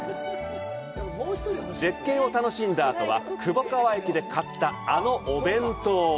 絶景を楽しんだあとは、窪川駅で買ったあのお弁当！